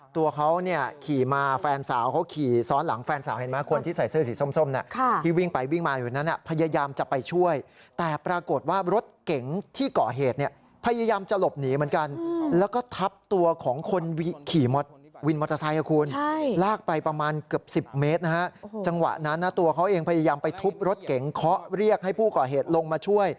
ตัวเขาขี่มาแฟนสาวเขาขี่ซ้อนหลังแฟนสาว